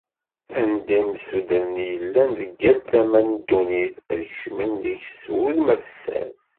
Anda imsudren i yellan deg yal tama n ddunit, ad kecmen deg-s s wudem afessas.